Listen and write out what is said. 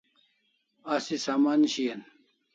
Asi saman shian